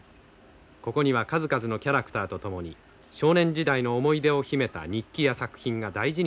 ここには数々のキャラクターと共に少年時代の思い出を秘めた日記や作品が大事に保存されています。